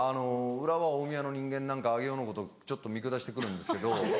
浦和大宮の人間なんかは上尾のことちょっと見下して来るんですけど。